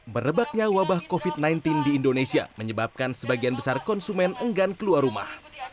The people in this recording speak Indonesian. merebaknya wabah covid sembilan belas di indonesia menyebabkan sebagian besar konsumen enggan keluar rumah